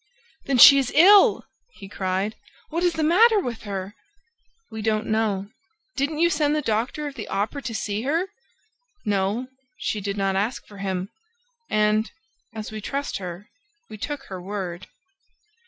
"Then she is ill!" he cried. "What is the matter with her?" "We don't know." "Didn't you send the doctor of the Opera to see her?" "No, she did not ask for him; and, as we trust her, we took her word."